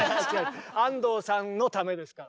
安藤さんのためですから。